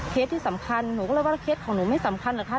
ที่สำคัญหนูก็เลยว่าเคสของหนูไม่สำคัญเหรอคะ